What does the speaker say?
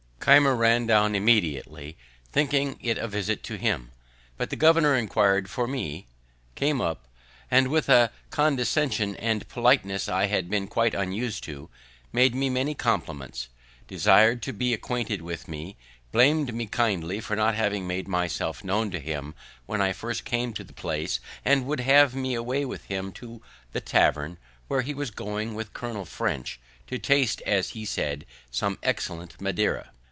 Keimer ran down immediately, thinking it a visit to him; but the governor inquir'd for me, came up, and with a condescension and politeness I had been quite unus'd to, made me many compliments, desired to be acquainted with me, blam'd me kindly for not having made myself known to him when I first came to the place, and would have me away with him to the tavern, where he was going with Colonel French to taste, as he said, some excellent Madeira.